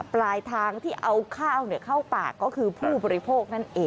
ปลายทางที่เอาข้าวเข้าปากก็คือผู้บริโภคนั่นเอง